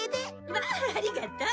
まあありがとう！